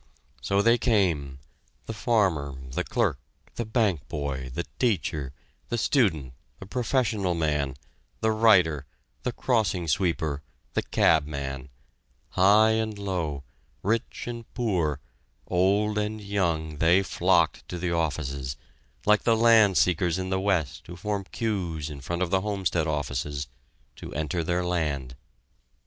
So they came, the farmer, the clerk, the bank boy, the teacher, the student, the professional man, the writer, the crossing sweeper, the cab man, high and low, rich and poor, old and young, they flocked to the offices, like the land seekers in the West who form queues in front of the Homestead offices, to enter their land.